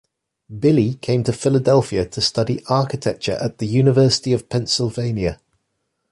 Billy came to Philadelphia to study architecture at the University of Pennsylvania.